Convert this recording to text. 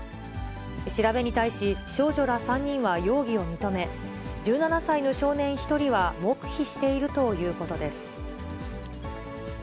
調べに対し、少女ら３人は容疑を認め、１７歳の少年１人は黙秘しているということです。